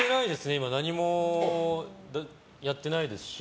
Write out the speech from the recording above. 今、何もやってないですし。